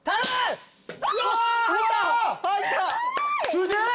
すげえ！